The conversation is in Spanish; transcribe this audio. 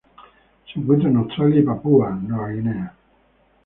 Se encuentra en Australia y Papúa Nueva Guinea.